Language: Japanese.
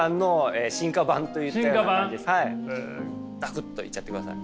ザクッといっちゃってください。